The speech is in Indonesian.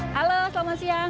halo selamat siang